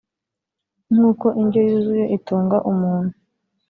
nk’uko indyo yuzuyeitunga umuntu